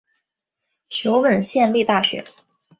熊本县立大学